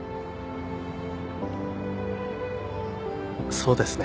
そうですね。